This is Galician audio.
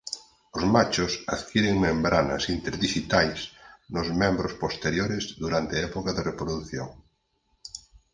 Os machos adquiren membranas interdixitais nos membros posteriores durante a época de reprodución.